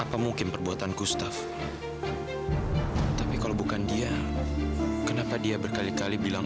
apa mungkin perbuatan kusta tapi kalau bukan dia kenapa dia berkali kali bilang